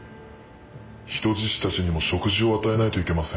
人質たちにも食事を与えないといけません。